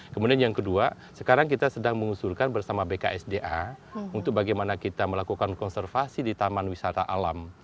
kemudian yang kedua sekarang kita sedang mengusulkan bersama bksda untuk bagaimana kita melakukan konservasi di taman wisata alam